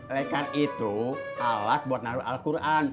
lekar itu alat buat naruh al quran